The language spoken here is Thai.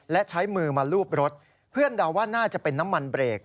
และใช้มือมาลูบรถเพื่อนเดาว่าน่าจะเป็นน้ำมันเบรก